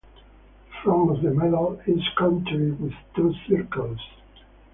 The front of the medal is contoured with two circles.